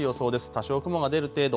多少、雲が出る程度。